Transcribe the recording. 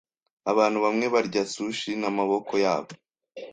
Abantu bamwe barya sushi n'amaboko yabo.